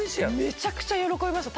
めちゃくちゃ喜びました。